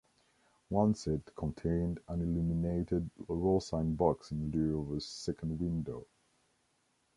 One set contained an illuminated rollsign box in lieu of a second window.